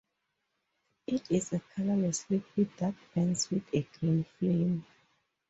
It is a colourless liquid that burns with a green flame.